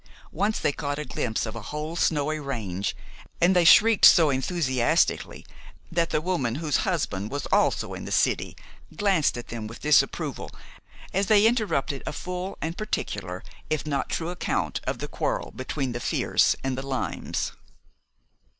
Once they caught a glimpse of a whole snowy range, and they shrieked so enthusiastically that the woman whose husband was also in the city glanced at them with disapproval, as they interrupted a full and particular if not true account of the quarrel between the Firs and the Limes.